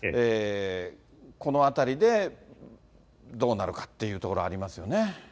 このあたりでどうなるかっていうところありますよね。